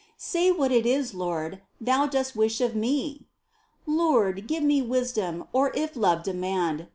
Say what it is, Lord, Thou dost wish of me ? Lord, give me wisdom, or, if love demand.